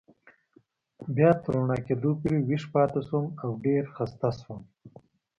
بیا تر رڼا کېدو پورې ویښ پاتې شوم او ډېر و خسته شوم.